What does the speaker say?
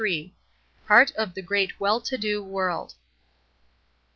"PART OF THE GREAT WELL TO DO WORLD."